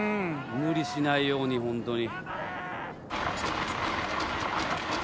無理しないようにほんとに。